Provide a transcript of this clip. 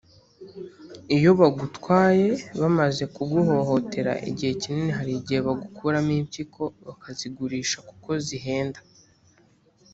[…] iyo bagutwaye bamaze kuguhohotera igihe kinini hari igihe bagukuramo impyiko bakazigurisha kuko zihenda